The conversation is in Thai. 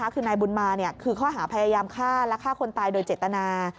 คือนายบุญมาคือข้อหาพยายามฆ่าและฆ่าคนตายโดยเจตนา